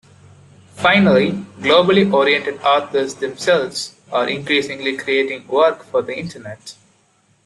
Finally, globally oriented authors themselves are increasingly creating work for the internet.